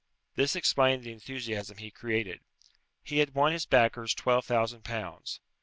This explained the enthusiasm he created. He had won his backers twelve thousand pounds.